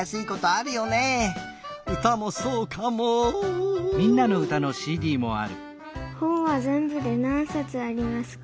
「うたもそうかも」ほんはぜんぶでなんさつありますか？